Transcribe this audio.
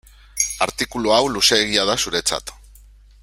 Artikulu hau luzeegia da zuretzat.